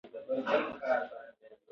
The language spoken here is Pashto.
مصدر د فعل ریښه ده.